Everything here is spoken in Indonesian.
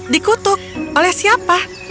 dikutuk oleh siapa